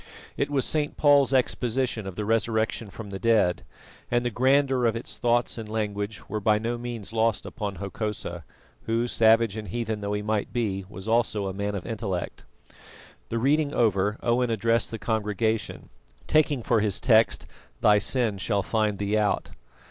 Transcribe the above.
It was St. Paul's exposition of the resurrection from the dead, and the grandeur of its thoughts and language were by no means lost upon Hokosa, who, savage and heathen though he might be, was also a man of intellect. The reading over, Owen addressed the congregation, taking for his text, "Thy sin shall find thee out."